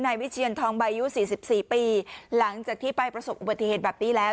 วิเชียนทองใบอายุสี่สิบสี่ปีหลังจากที่ไปประสบอุบัติเหตุแบบนี้แล้ว